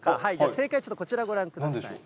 正解ちょっとこちらご覧ください。